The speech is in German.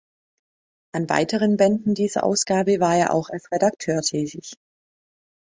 An weiteren Bänden dieser Ausgabe war er auch als Redakteur tätig.